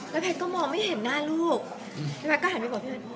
แล้วแพทย์ก็มองไม่เห็นหน้าลูกแล้วแพทย์ก็หันไปบอก